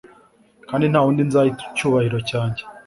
kandi nta wundi nzaha icyubahiro cyanjye